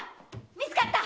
見つかった！